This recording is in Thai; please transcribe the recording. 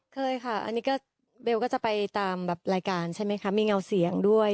เคยค่ะอันนี้ก็เบลก็จะไปตามแบบรายการใช่ไหมคะมีเงาเสียงด้วย